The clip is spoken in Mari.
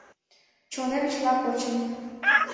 Чонем чыла почым...